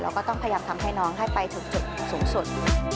ก็ต้องพยายามทำให้น้องให้ไปถึงจุดสูงสุด